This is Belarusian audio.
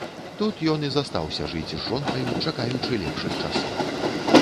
Тут ён і застаўся жыць з жонкаю, чакаючы лепшых часоў.